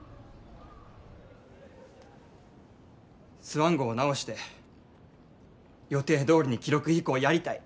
スワン号を直して予定どおりに記録飛行やりたい。